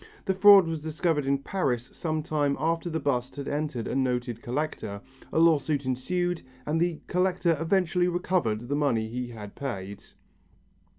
The fraud was discovered in Paris some time after the bust had entered a noted collection, a lawsuit ensued and the collector eventually recovered the money he had paid.